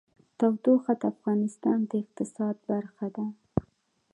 تودوخه د افغانستان د اقتصاد برخه ده.